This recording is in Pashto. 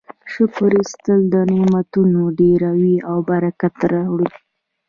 شکر ایستل نعمتونه ډیروي او برکت راوړي.